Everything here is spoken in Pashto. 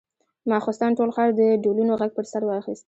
ماخستن ټول ښار د ډولونو غږ پر سر واخيست.